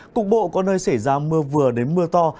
cục bộ có nơi xảy ra mưa vừa đến mưa to